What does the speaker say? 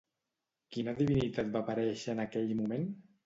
Quina divinitat va aparèixer en aquell moment?